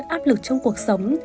áp lực trong cuộc sống